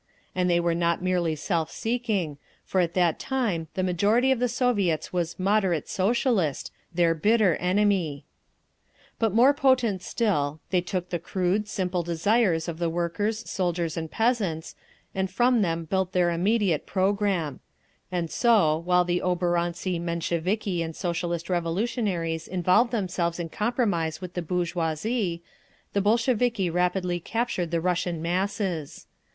—and they were not merely self seeking, for at that time the majority of the Soviets was "moderate" Socialist, their bitter enemy. Part of the famous "Sisson Documents". But more potent still, they took the crude, simple desires of the workers, soldiers and peasants, and from them built their immediate programme. And so, while the oborontsi Mensheviki and Socialist Revolutionaries involved themselves in compromise with the bourgeoisie, the Bolsheviki rapidly captured the Russian masses.